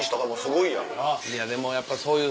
でもやっぱりそういう。